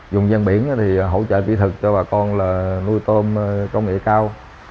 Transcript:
dùng dân biển hỗ trợ kỹ thuật cho bà con nuôi tôm công nghệ cao